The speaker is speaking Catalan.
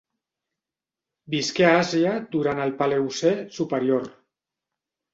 Visqué a Àsia durant el Paleocè superior.